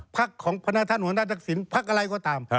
ภักดิ์ของพระนาท่านหัวหน้าทักศิลป์ภักดิ์อะไรก็ตาม